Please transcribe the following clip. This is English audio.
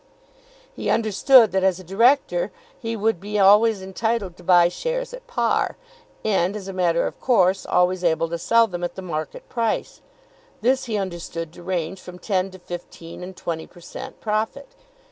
He understood that as a director he would be always entitled to buy shares at par, and, as a matter of course, always able to sell them at the market price. This he understood to range from ten to fifteen and twenty per cent. profit.